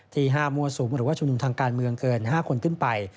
ที่ห้ามมั่วสุมหรือว่าชุมนุมทางการเมืองเกิน๕คนขึ้นไป